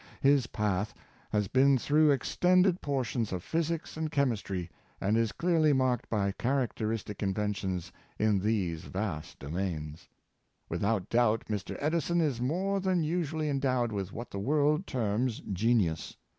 His path has been through extended portions of physics and 186 Lord Brougham. chemistry, and is clearly marked by characteristic in ventions in these vast domains. " Without doubt, Mr. Edison is more than usually endowed with what the world terms genius.